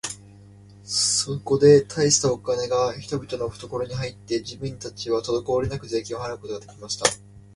そこで大したお金が人々のふところに入って、人民たちはとどこおりなく税金を払うことが出来ました。